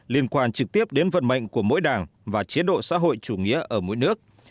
liên quan trực tiếp đến vận mệnh của mỗi đảng và chế độ xã hội chủ nghĩa ở mỗi nước